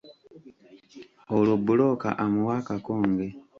Olwo bbulooka amuwa akakonge.